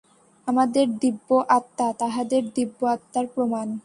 আমাদের দিব্য-আত্মা তাঁহাদের দিব্য-আত্মার প্রমাণ।